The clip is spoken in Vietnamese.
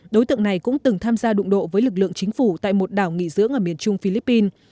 đối tượng này cũng từng tham gia đụng độ với lực lượng chính phủ tại một đảo nghỉ dưỡng ở miền trung philippines